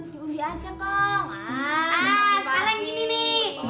diundi aja kong